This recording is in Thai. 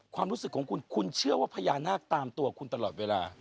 ความรู้สึกของคุณคุณเชื่อว่าพญานาคตามตัวคุณตลอดเวลา